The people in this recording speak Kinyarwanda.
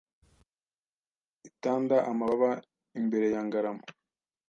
itanda amababa imbere ya Ngarama